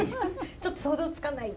ちょっと想像つかない。